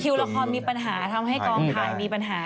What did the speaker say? ละครมีปัญหาทำให้กองถ่ายมีปัญหา